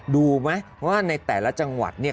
ดูไหมว่าในแต่ละจังหวัดเนี่ย